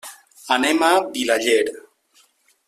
Anem a Vilaller.